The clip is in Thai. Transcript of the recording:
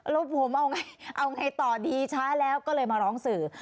แล้วผมเอาไงเอาไงต่อดีช้าแล้วก็เลยมาร้องสื่อ